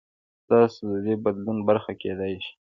تاسو د دې بدلون برخه کېدای شئ.